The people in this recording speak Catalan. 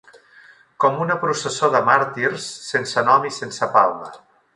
Com una processó de màrtirs sense nom i sense palma